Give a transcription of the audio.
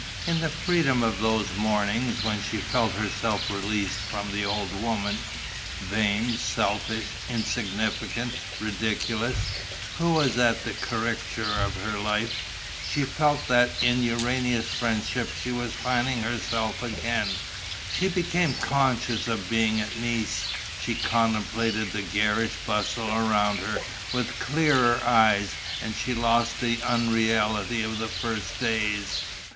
In the freedom of those mornings, when she felt herself released from the old woman vain, selfish, insignificant, ridiculous who was as the caricature of her life, she felt that in Urania's friendship she was finding herself again, she became conscious of being at Nice, she contemplated the garish bustle around her with clearer eyes and she lost the unreality of the first days.